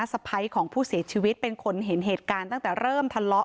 สะพ้ายของผู้เสียชีวิตเป็นคนเห็นเหตุการณ์ตั้งแต่เริ่มทะเลาะ